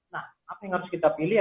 nah apa yang harus kita pilih